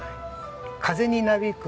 風になびく